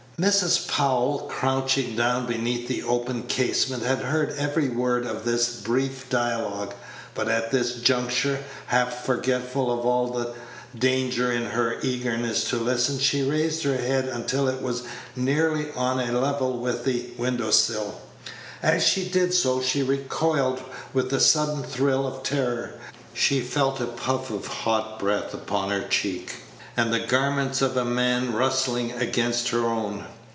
Mrs. Powell, crouching down beneath the open casement, had heard every word of this brief dialogue; but at this juncture, half forgetful of all danger in her eagerness to listen, she raised her head until it was nearly on a level with the window sill. As she did so, she recoiled with a sudden thrill of terror. She felt a puff of hot breath upon her cheek, and the garments of a man rustling against her own.